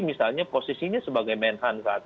misalnya posisinya sebagai menhan saat